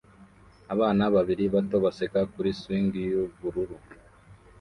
Abana babiri bato baseka kuri swing y'ubururu